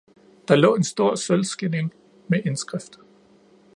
Der lå en stor sølvskilling med indskrift